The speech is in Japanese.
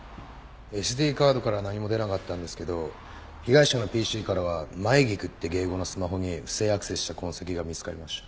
ＳＤカードからは何も出なかったんですけど被害者のＰＣからは舞菊って芸妓のスマホに不正アクセスした痕跡が見つかりました。